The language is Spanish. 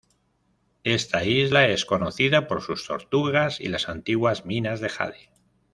Esta isla es conocida por sus tortugas y las antiguas minas de jade.